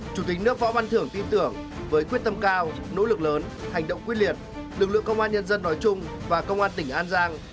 chủ tịch nước võ văn thưởng tin tưởng với quyết tâm cao nỗ lực lớn hành động quyết liệt lực lượng công an nhân dân nói chung và công an tỉnh an giang